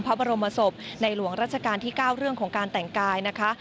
พระบรมศพในหลวงราชการที่๙เรื่องของการแต่งกายนะคะ